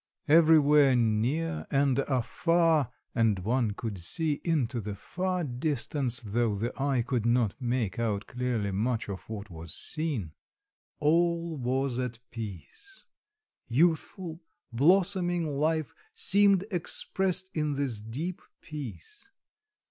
Everywhere near and afar and one could see in to the far distance, though the eye could not make out clearly much of what was seen all was at peace; youthful, blossoming life seemed expressed in this deep peace.